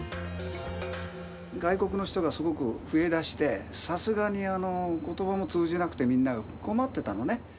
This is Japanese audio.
外国の人がすごく増えだして、さすがに、ことばが通じなくてみんな、困ってたのね。